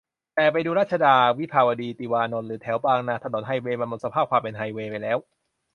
แต่ไปดูรัชดา วิภาวดี ติวานนท์ หรือแถวบางนา ถนนไฮเวย์มันหมดสภาพความเป็นไฮเวย์ไปแล้ว